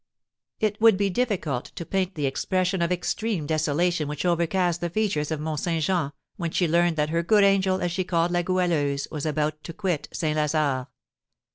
It would be difficult to paint the expression of extreme desolation which overcast the features of Mont Saint Jean, when she learned that her good angel, as she called La Goualeuse, was about to quit St. Lazare.